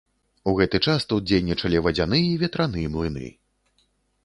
У гэты час тут дзейнічалі вадзяны і ветраны млыны.